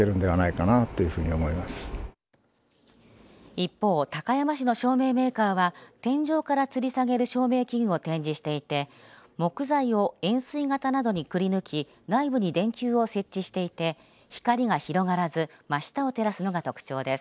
一方、高山市の照明メーカーは天井からつり下げる照明器具を展示していて木材を円すい形などにくりぬき内部に電球を設置していて光が広がらず真下を照らすのが特徴です。